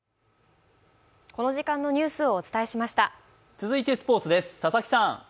続いてスポーツです。